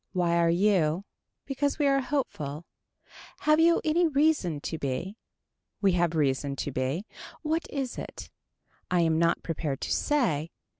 Why are you. Because we are hopeful. Have you any reason to be. We have reason to be. What is it. I am not prepared to say.